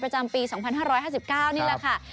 ประจำปี๒๕๕๙นี่แหละค่ะ